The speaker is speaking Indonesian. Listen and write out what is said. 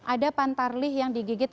ada pantarlih yang digigit